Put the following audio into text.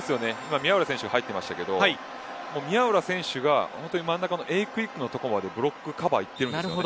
宮浦選手入ってましたけど本当に真ん中のＡクイックのところまでブロックのカバー行っていますよね。